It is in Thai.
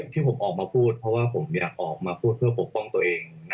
ที่ผมออกมาพูดเพราะว่าผมอยากออกมาพูดเพื่อปกป้องตัวเอง